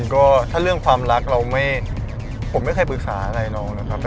ก็ถ้าเรื่องความรักเราผมไม่เคยปรึกษาอะไรน้องนะครับ